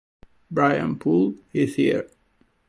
Brian Poole Is Here!